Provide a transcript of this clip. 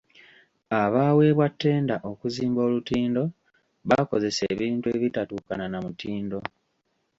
Abaaweebwa ttenda okuzimba olutindo baakozesa ebintu ebitatuukana na mutindo.